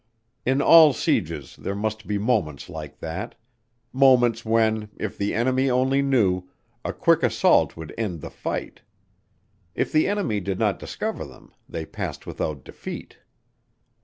In all sieges there must be moments like that: moments when, if the enemy only knew, a quick assault would end the fight. If the enemy did not discover them, they passed without defeat.